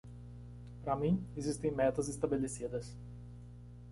Para mim, existem metas estabelecidas.